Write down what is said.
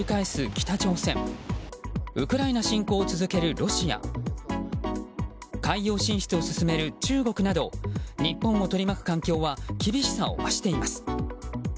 北朝鮮ウクライナ侵攻を続けるロシア海洋進出を進める中国など日本を取り巻く環境は厳しさを増しています。